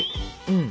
うん。